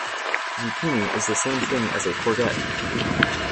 Zucchini is the same thing as courgette